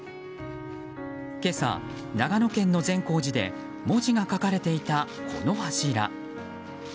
今朝、長野県の善光寺で文字が書かれていたこの柱。